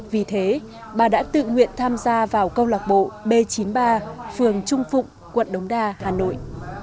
vì thế bà đã tự nguyện tham gia vào câu lạc bộ b chín mươi ba phường trung phụng quận đống đa hà nội